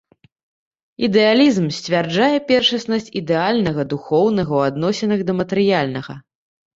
Ідэалізм сцвярджае першаснасць ідэальнага духоўнага ў адносінах да матэрыяльнага.